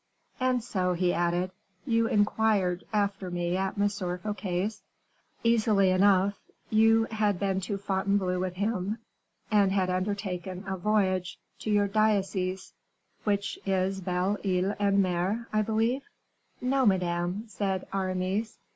"And so," he added, "you inquired after me at M. Fouquet's?" "Easily enough. You had been to Fontainebleau with him, and had undertaken a voyage to your diocese, which is Belle Ile en Mer, I believe." "No, madame," said Aramis.